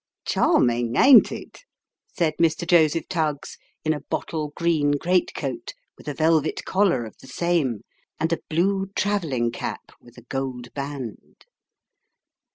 " Charming, ain't it ?" said Mr. Joseph Tuggs, in a bottle green great coat, with a velvet collar of the same, and a blue travelling cap with a gold band.